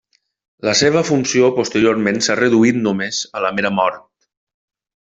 La seva funció posteriorment s'ha reduït només a la mera mort.